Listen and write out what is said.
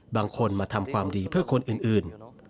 บางคนมาทำความดีเพื่อคนอื่น